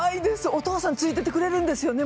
お父さんついててくれるんですよね。